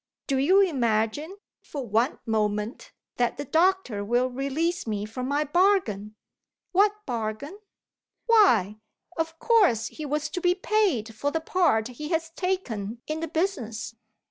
Do you imagine, for one moment, that the doctor will release me from my bargain?" "What bargain?" "Why of course he was to be paid for the part he has taken in the business.